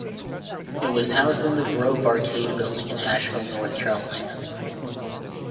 It was housed in the Grove Arcade Building in Asheville, North Carolina.